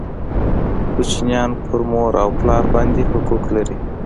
کوچنیان پر مور او پلار باندي حقوق لري